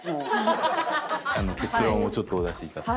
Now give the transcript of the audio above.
結論をちょっとお出しいただく。